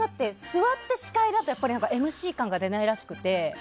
座って司会だとやっぱりＭＣ感が出ないらしくて。